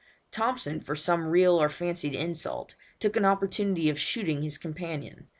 Thompson, for some real or fancied insult, took an opportunity of shooting his companion.